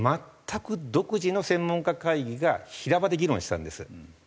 全く独自の専門家会議が平場で議論したんです。